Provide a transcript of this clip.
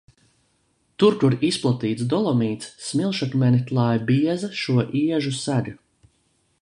Tur, kur izplatīts dolomīts, smilšakmeni klāj bieza šo iežu sega.